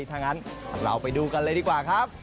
ถ้างั้นเราไปดูกันเลยดีกว่าครับ